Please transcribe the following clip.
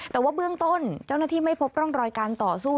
แต่ว่าเบื้องต้นเจ้าหน้าที่ไม่พบร่องรอยการต่อสู้